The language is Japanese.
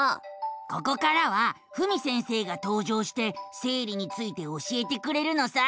ここからはふみ先生がとう場して生理について教えてくれるのさ。